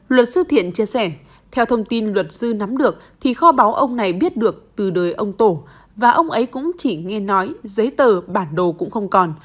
luật sư thiện chia sẻ theo thông tin luật sư nắm được thì kho báo ông này biết được từ đời ông tổ và ông ấy cũng chỉ nghe nói giấy tờ bản đồ cũng không còn